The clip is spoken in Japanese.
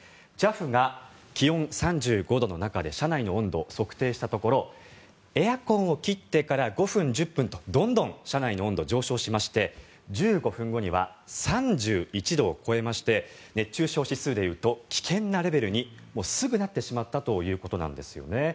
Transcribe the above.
ＪＡＦが気温３５度の中で車内の温度を測定したところエアコンを切ってから５分、１０分とどんどん車内の温度は上昇しまして１５分後には３１度を超えまして熱中症指数でいうと危険なレベルにすぐなってしまったということなんですよね。